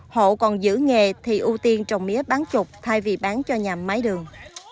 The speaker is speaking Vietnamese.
hậu còn giữ nghề thì ưu tiên trồng mía bán chục thay vì bán cho nhà máy đường